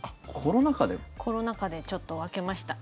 コロナ禍でちょっと分けました。